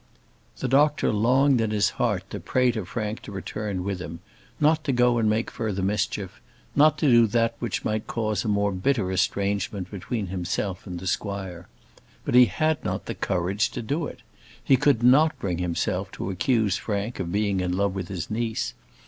The doctor longed in his heart to pray to Frank to return with him; not to go and make further mischief; not to do that which might cause a more bitter estrangement between himself and the squire. But he had not the courage to do it. He could not bring himself to accuse Frank of being in love with his niece.